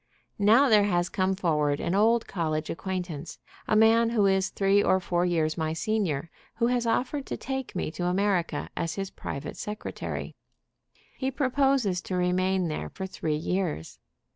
Now there has come forward an old college acquaintance, a man who is three or four years my senior, who has offered to take me to America as his private secretary. He proposes to remain there for three years.